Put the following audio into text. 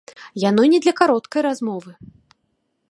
Яно не для кароткай размовы.